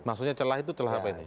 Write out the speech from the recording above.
maksudnya celah itu celah apa ini